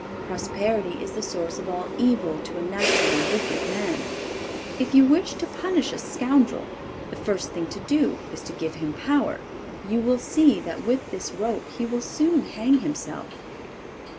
Prosperity is the source of all evil to a naturally wicked man. If you wish to punish a scoundrel, the first thing to do is to give him power. You will see that with this rope he will soon hang himself.